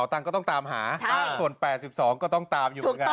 อาตะแหม่ตาตา